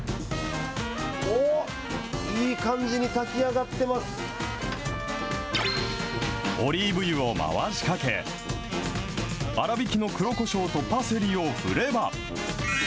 おー、いい感じに炊き上がってまオリーブ油を回しかけ、粗びきの黒こしょうとパセリを振れば。